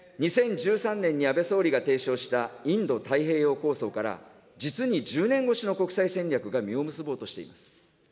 ２０１３年に安倍総理が提唱したインド太平洋構想から、実に１０年越しの国際戦略が実を結ぼうとしています。